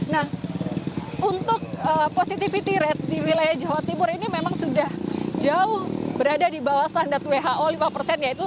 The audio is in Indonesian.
nah untuk positivity rate di wilayah jawa timur ini memang sudah jauh berada di bawah standar who lima persen